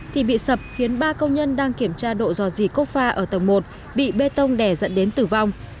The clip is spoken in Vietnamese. thì bị sập khiến ba công nhân đang kiểm tra độ giò dì cốc pha ở tầng một bị bê tông đè dẫn đến tử vong